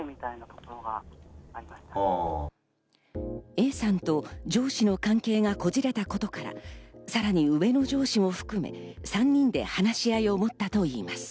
Ａさんと上司の関係がこじれたことから、さらに上の上司を含め３人で話し合いを持ったといいます。